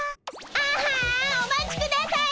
ああお待ちください